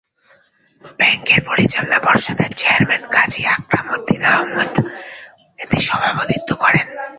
ব্যাংকের পরিচালনা পর্ষদের চেয়ারম্যান কাজী আকরাম উদ্দিন আহমদ এতে সভাপতিত্ব করেন।